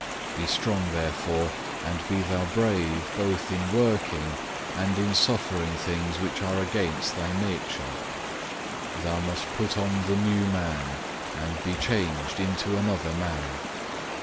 Be strong therefore, and be thou brave both in working and in suffering things which are against thy nature. Thou must put on the new man, and be changed into another man.